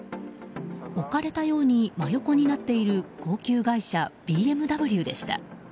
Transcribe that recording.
置かれたように真横になっている高級外車ＢＭＷでした。